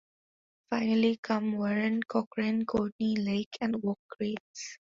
Finally come Warren, Cochrane, Courtney, Lake, and Oak creeks.